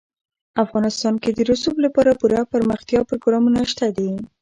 افغانستان کې د رسوب لپاره پوره دپرمختیا پروګرامونه شته دي.